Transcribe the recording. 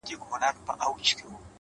• دا وايي دا توره بلا وړي څوك ـ